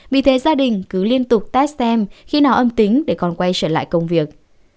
vì thế gia đình cứ liên tục test xem khi nào âm tính để còn quay trở lại công việc